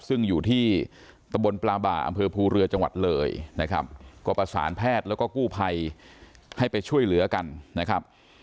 ซึ่งอยู่ที่ตะบนปลาบ่าอำเภอภูเรือจังหวัดเลยนะครับก็ประสานแพทย์แล้วก็กู้ภัยให้ไปช่วยเหลือกันนะครับ